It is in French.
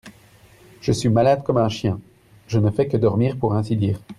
je suis malade comme un chien, je ne fais que dormir pour ainsi dire.